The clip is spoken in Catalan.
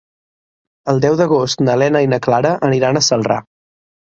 El deu d'agost na Lena i na Clara aniran a Celrà.